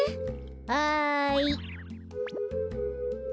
はい。